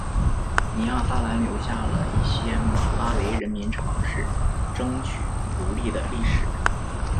尼亚萨兰留下了一些马拉维人民尝试争取独立的历史。